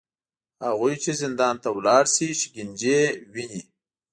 هغوی چې زندان ته لاړ شي، شکنجې وویني